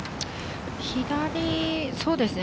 左、そうですね。